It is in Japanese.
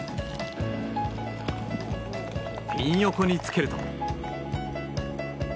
ピン横につけると。